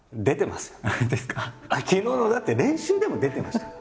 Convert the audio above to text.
昨日のだって練習でも出てましたから。